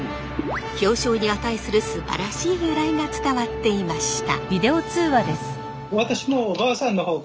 表彰に値するすばらしい風来が伝わっていました。